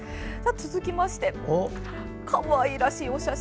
続きましてかわいらしいお写真。